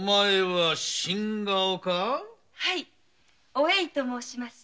お栄と申します。